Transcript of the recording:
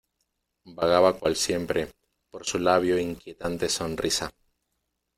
vagaba cual siempre, por su labio inquietante sonrisa ,